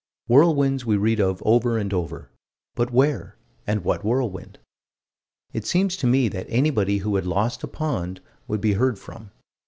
Whirlwinds we read of over and over but where and what whirlwind? It seems to me that anybody who had lost a pond would be heard from.